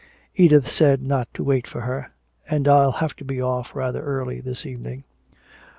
"Edith said not to wait for her and I'll have to be off rather early this evening."